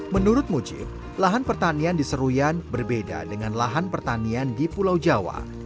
menurut mujib lahan pertanian di seruyan berbeda dengan lahan pertanian di pulau jawa